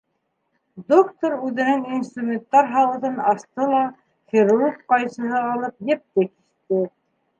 Доктор үҙенең инструменттар һауытын асты ла, хирург ҡайсыһы алып, епте киҫте.